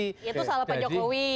itu salah pak jokowi